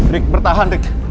rick bertahan rick